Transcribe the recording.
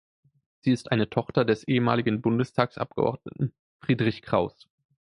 Sie ist eine Tochter des ehemaligen Bundestagsabgeordneten Friedrich Kraus.